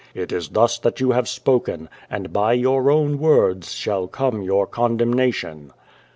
It is thus that you have spoken, and by your own words shall come your condemnation.